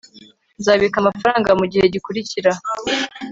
nzabika amafaranga mugihe gikurikira